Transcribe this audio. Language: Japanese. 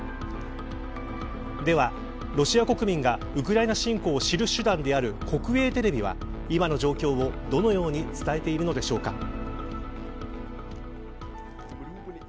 では、ロシア国民がウクライナ侵攻を知る手段である国営テレビは今の状況をどのように伝えているのでしょうか。